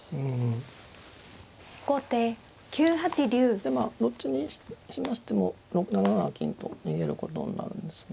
でまあどっちにしましても７七金と逃げることになるんですが。